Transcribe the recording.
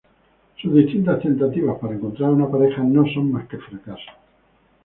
Sus distintas tentativas para encontrar una pareja no son más que fracasos.